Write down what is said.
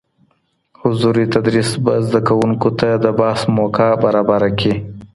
حضوري تدريس به زده کوونکو ته د بحث موقع برابره کړي.